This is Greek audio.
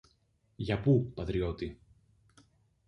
Για πού, πατριώτη;